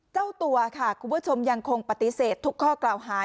เจ้าตัวค่ะคุณผู้ชมยังคงปฏิเสธทุกข้อกล่าวหา